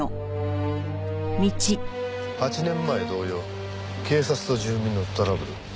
８年前同様警察と住民のトラブル。